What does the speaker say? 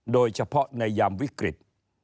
โดยเฉพาะในยามวิกฤต